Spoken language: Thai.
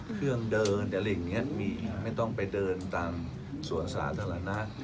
เครื่องเดินอะไรอย่างนี้มีไม่ต้องไปเดินตามสวนสาธารณะ